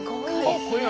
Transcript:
かっこいい。